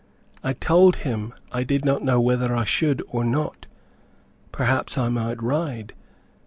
I told him I did not know whether I should or not, perhaps I might ride.